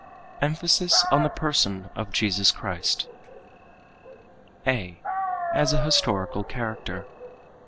Emphasis on the Person of Jesus Christ_ _(a) As a Historical Character.